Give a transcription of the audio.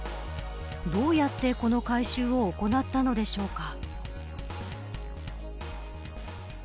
どうやってこの回収を行ったのでしょうか。